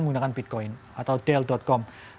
menggunakan bitcoin atau del com